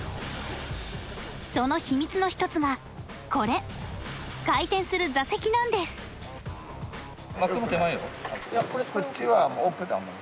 その秘密の一つがこれ回転する座席なんですかぶってないの？